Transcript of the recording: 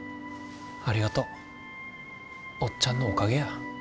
ありがとう。おっちゃんのおかげや。